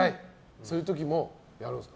そういう時もやるんですか？